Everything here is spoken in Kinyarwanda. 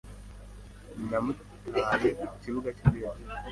Namutaye ku kibuga cy'indege.